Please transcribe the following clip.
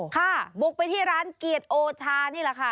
ค่ะบุกไปที่ร้านเกียรติโอชานี่แหละค่ะ